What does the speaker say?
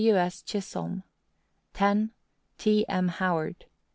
W. S. Chisolm. 10. T. M. Howard.